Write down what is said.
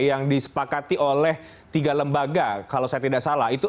yang disepakati oleh tiga lembaga kalau saya tidak salah